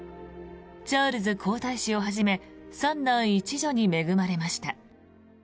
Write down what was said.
チャールズ皇太子をはじめ３男１女に恵まれました。